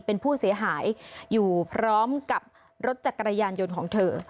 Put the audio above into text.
เป็นผู้เสียหายอยู่พร้อมกับรถจักรยานยนต์ของเธอ